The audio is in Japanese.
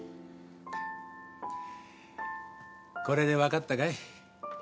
これでわかったかい？